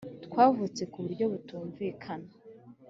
Twavutse ku buryo butumvikana,